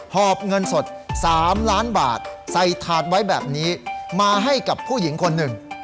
อบเงินสด๓ล้านบาทใส่ถาดไว้แบบนี้มาให้กับผู้หญิงคนหนึ่ง